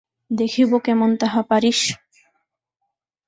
দেখিব কেমন তাহা পারিস্।